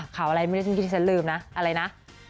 ข่าวอะไรไม่รู้จังกินที่ฉันลืมนะ